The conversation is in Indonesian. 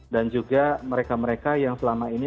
dan juga mereka mereka yang selama ini